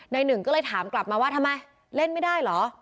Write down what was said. หนึ่งก็เลยถามกลับมาว่าทำไมเล่นไม่ได้เหรอ